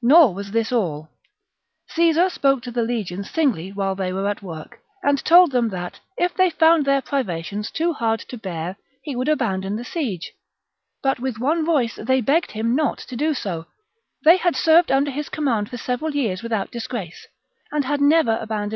Nor was this all. Caesar spoke to the legions singly while they were at work, and told them that, if they found their privations too hard to bear, he would abandon the siege ; but with one voice they begged him not to do so : they 'had served under his command for several years with out disgrace, and had never abandoned any opera tion which they had undertaken.